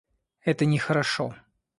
Это нехорошо!